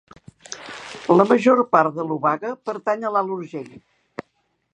La major part de l'obaga pertany a l'Alt Urgell.